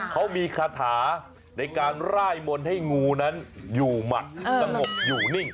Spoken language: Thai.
เขามีคาถาในการร่ายมนต์ให้งูนั้นอยู่หมัดสงบอยู่นิ่ง